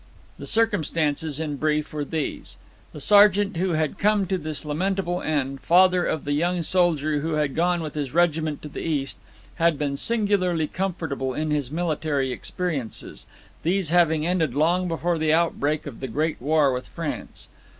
The circumstances, in brief, were these: The sergeant who had come to this lamentable end, father of the young soldier who had gone with his regiment to the East, had been singularly comfortable in his military experiences, these having ended long before the outbreak of the great war with France.